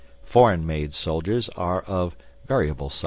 Foreign made soldiers are of variable sizes.